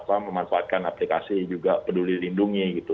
dan memanfaatkan aplikasi juga peduli lindungi gitu